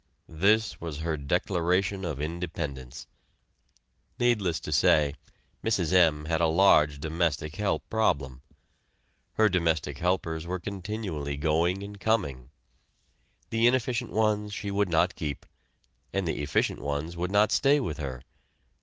This was her declaration of independence. Needless to say, Mrs. M. had a large domestic help problem. Her domestic helpers were continually going and coming. The inefficient ones she would not keep, and the efficient ones would not stay with her.